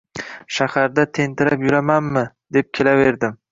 Shaharda tentirab yuramanmi, deb kelaverdim.